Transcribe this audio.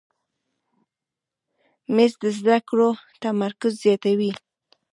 مېز د زده کړو تمرکز زیاتوي.